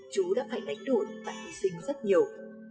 chú đã phải đánh đổi và hy sinh rất nhiều